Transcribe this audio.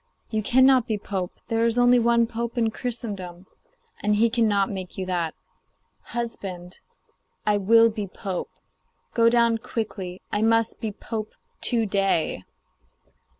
You cannot be pope; there is only one pope in Christendom, and he cannot make you that.' 'Husband,' she said, 'I will be pope. Go down quickly; I must be pope to day.